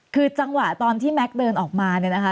คือจังหวะตอนที่แม็กซ์เดินออกมาเนี่ยนะคะ